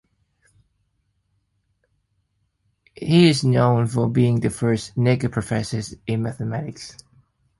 He is known for being the first Nigerian professor in Mathematics.